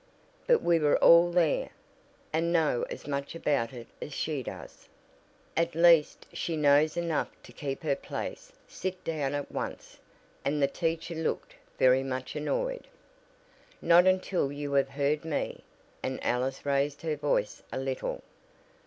"But we were all there, and know as much about it as she does." "At least she knows enough to keep her place. Sit down at once," and the teacher looked very much annoyed. "Not until you have heard me," and Alice raised her voice a little.